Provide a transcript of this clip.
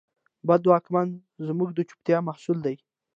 بد واکمن زموږ د چوپتیا محصول دی.